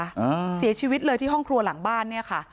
อ่าเสียชีวิตเลยที่ห้องครัวหลังบ้านเนี้ยค่ะ